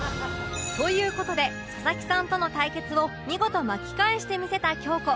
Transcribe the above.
という事で佐々木さんとの対決を見事巻き返してみせた京子